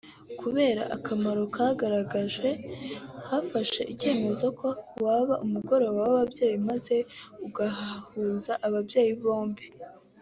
Kubera akamaro kagaragaje hafashwe icyemezo ko waba ‘Umugoroba w’Ababyeyi’ maze ugahuza ababyeyi bombi